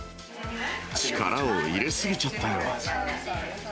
力を入れ過ぎちゃったよ。